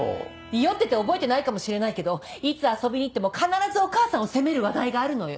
酔ってて覚えてないかもしれないけどいつ遊びに行っても必ずお母さんを責める話題があるのよ。